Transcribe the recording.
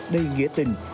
đầy nghĩa tình